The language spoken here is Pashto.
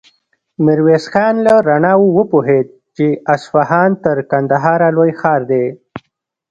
ميرويس خان له رڼاوو وپوهېد چې اصفهان تر کندهاره لوی ښار دی.